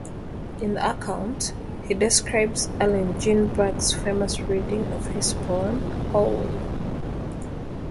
In the account, he describes Allen Ginsberg's famous reading of his poem "Howl".